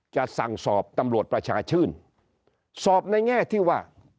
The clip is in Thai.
จะสั่งสอบตำรวจประชาชื่นสอบในแง่ที่ว่า